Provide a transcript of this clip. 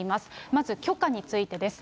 まず許可についてです。